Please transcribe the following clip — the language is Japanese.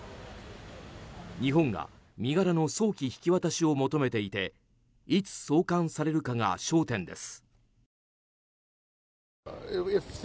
日本が身柄の早期引き渡しを求めていていつ送還されるかが焦点です。